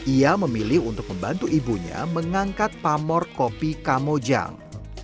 ia memilih untuk membantu ibunya mengangkat pamor kopi kamojang